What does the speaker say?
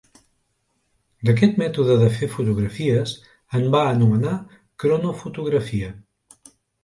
D’aquest mètode de fer fotografies, en va anomenar Cronofotografia.